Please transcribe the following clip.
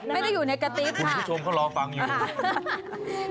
อ๋อไม่ได้อยู่เนกาติ๊บนะครับค่ะคุณผู้ชมเขาร้องฟังอยู่ค่ะไม่ได้อยู่เนกาติ๊บไม่ได้อยู่เนกาติ๊บค่ะ